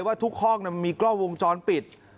ว่าทุกห้องมีกล้องวงจรปิด